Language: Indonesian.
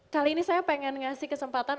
kali ini saya pengen ngasih kesempatan